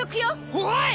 おい！